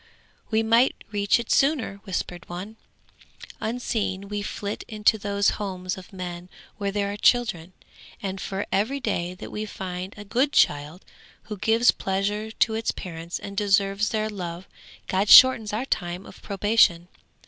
'We might reach it sooner,' whispered one. 'Unseen we flit into those homes of men where there are children, and for every day that we find a good child who gives pleasure to its parents and deserves their love God shortens our time of probation.